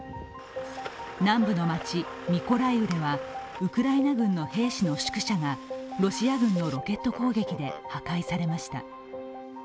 南部の街ミコライウではウクライナ軍の兵士の宿舎がロシア軍のロケット攻撃で破壊されました。